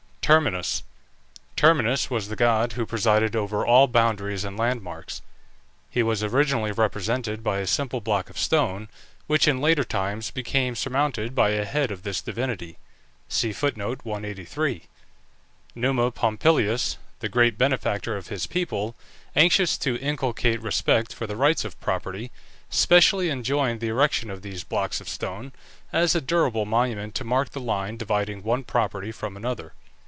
TERMINUS. Terminus was the god who presided over all boundaries and landmarks. He was originally represented by a simple block of stone, which in later times became surmounted by a head of this divinity. Numa Pompilius, the great benefactor of his people, anxious to inculcate respect for the rights of property, specially enjoined the erection of these blocks of stone, as a durable monument to mark the line dividing one property from another.